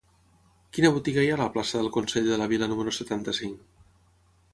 Quina botiga hi ha a la plaça del Consell de la Vila número setanta-cinc?